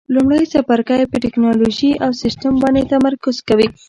لومړی څپرکی په ټېکنالوجي او سیسټم باندې تمرکز کوي.